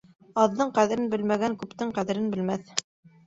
Аҙҙың ҡәҙерен белмәгән күптең ҡәҙерен белмәҫ.